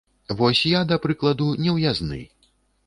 Вось, я, да прыкладу, неўязны.